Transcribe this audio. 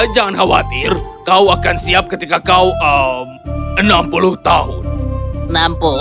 jangan khawatir kau akan siap ketika kau enam puluh tahun nempel